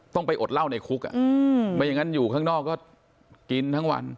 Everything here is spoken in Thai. ต้องไปอดเหล้าในคุกไม่อย่างนั้นอยู่ข้างนอกก็กินทั้งวัน